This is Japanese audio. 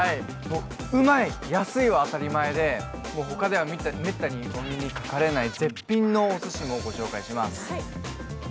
うまい、安いは当たり前で、他では滅多にお目にかかれない絶品のおすしもご紹介します。